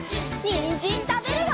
にんじんたべるよ！